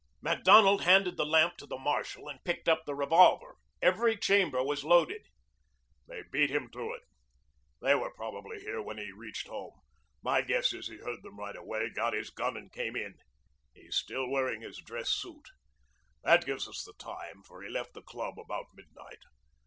Macdonald handed the lamp to the marshal and picked up the revolver. Every chamber was loaded. "They beat him to it. They were probably here when he reached home. My guess is he heard them right away, got his gun, and came in. He's still wearing his dress suit. That gives us the time, for he left the club about midnight.